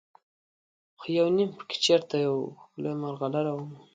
خو یو نیم پکې چېرته یوه ښکلې مرغلره ومومي.